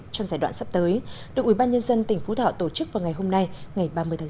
trong giai đoạn sắp tới được ubnd tỉnh phú thọ tổ chức vào ngày hôm nay ngày ba mươi tháng bốn